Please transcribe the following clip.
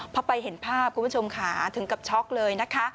พอไปเห็นภาพคุณผู้ชมค่ะถึงกับช็อกเลยนะคะ